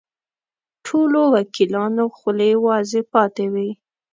ټولو وکیلانو خولې وازې پاتې وې.